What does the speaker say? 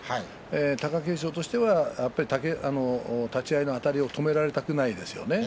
貴景勝としては立ち合いのあたりを止められたくないですよね。